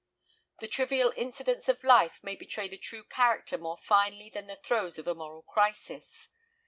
The trivial incidents of life may betray the true character more finely than the throes of a moral crisis.